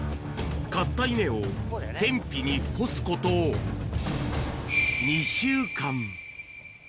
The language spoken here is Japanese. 刈った稲を天日に干すこと、２週間。